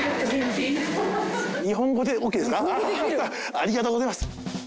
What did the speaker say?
ありがとうございます。